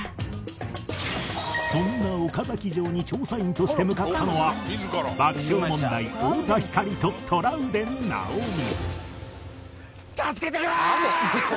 そんな岡崎城に調査員として向かったのは爆笑問題太田光とトラウデン直美